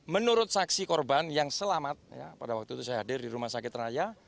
menurut saksi korban yang selamat pada waktu itu saya hadir di rumah sakit raya